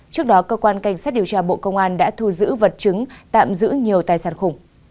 trước đó cơ quan cảnh sát điều tra bộ công an đã thu giữ vật chứng tạm giữ nhiều tài sản khủng